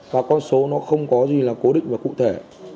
và con số nó không có gì là cố định và cụ thể